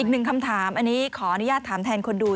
อีกหนึ่งคำถามอันนี้ขออนุญาตถามแทนคนดู